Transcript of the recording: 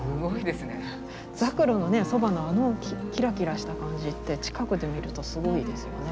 ザクロのそばのあのキラキラした感じって近くで見るとすごいですよね。